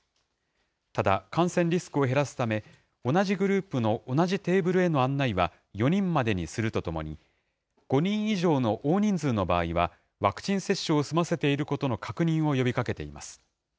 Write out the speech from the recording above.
ただ、感染リスクを減らすため、同じグループの同じテーブルへの案内は４人までにするとともに、５人以上の大人数の場合は、ワクチン接種を済ませていることの確認を呼びかけています。